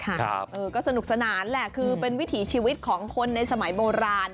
เออก็สนุกสนานแหละคือเป็นวิถีชีวิตของคนในสมัยโบราณ